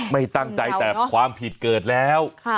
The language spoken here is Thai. ไม่ตั้งใจแต่ความผิดเกิดแล้ว